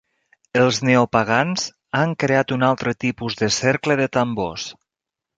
Els neopagans han creat un altre tipus de cercle de tambors.